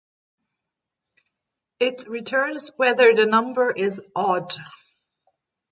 it returns whether the number is odd